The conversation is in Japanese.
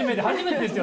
初めて。